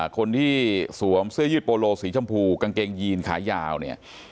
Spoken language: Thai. คนที่สวมเสื้อยืดโปโลสีชมพูกางเกงยีนขายาวเนี่ย